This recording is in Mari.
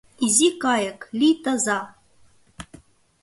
Изи кайык, лий таза!